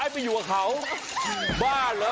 หมู่บ้านหรอ